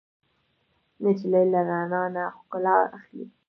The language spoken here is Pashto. نجلۍ له رڼا نه ښکلا اخلي.